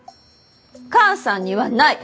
母さんにはない。